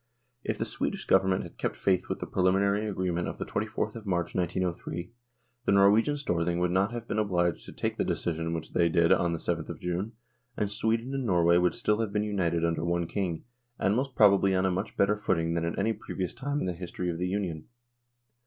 If the Swedish Govern ment had kept faith with the preliminary agreement of the 24th of March, 1903, the Norwegian Storthing would not have been obliged to take the decision which they did on the 7th of June, and Sweden and Norway would still have been united under one King, and most probably on a much better footing than at any previous time in the history of the Union.